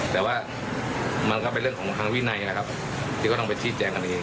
แต่ว่ามันก็เป็นเรื่องของทางวินัยที่ต้องให้ชี้แจงกันเอง